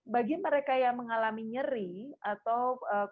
bagi mereka yang mengalami nyeri atau